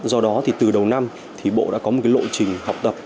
do đó thì từ đầu năm thì bộ đã có một lộ trình học tập